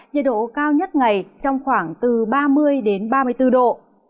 nhiệt độ cao nhất ngày trong khoảng từ ba mươi đến ba mươi bốn độ